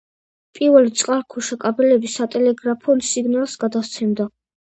პირველი წყალქვეშა კაბელები სატელეგრაფო სიგნალს გადასცემდა.